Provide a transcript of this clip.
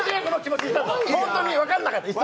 本当に分かんなかったの！